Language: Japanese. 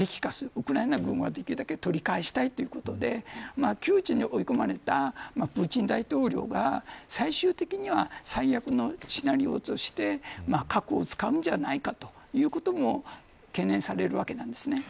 ウクライナは、できるだけ取り返したいということで窮地に追い込まれたプーチン大統領が最終的に最悪のシナリオとして核を使うんじゃないかということも懸念されるわけなんですね。